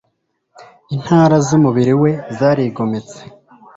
Intara z'umubiri we zarigometse,